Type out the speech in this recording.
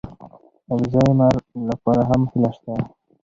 الزایمر لپاره هم هیله شته.